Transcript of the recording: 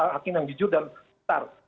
hakim yang jujur dan benar